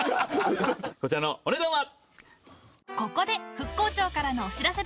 こちらのお値段は。